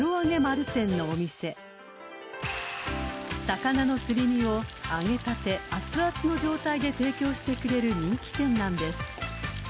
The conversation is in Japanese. ［魚のすり身を揚げたて熱々の状態で提供してくれる人気店なんです］